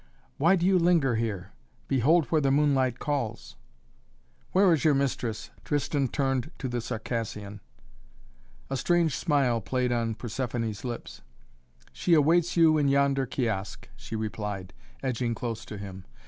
"Why do you linger here? Behold where the moonlight calls." "Where is your mistress?" Tristan turned to the Circassian. A strange smile played on Persephoné's lips. "She awaits you in yonder kiosk," she replied, edging close to him.